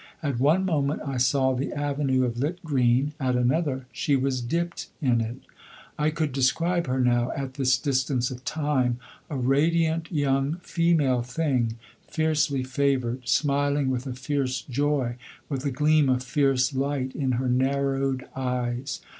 At one moment I saw the avenue of lit green, at another she was dipt in it. I could describe her now, at this distance of time a radiant young female thing, fiercely favoured, smiling with a fierce joy, with a gleam of fierce light in her narrowed eyes.